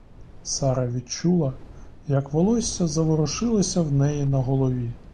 Сара відчула, як волосся заворушилося в неї на голові.